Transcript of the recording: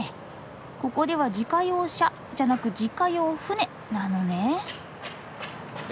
ここでは自家用車じゃなく自家用船なのね！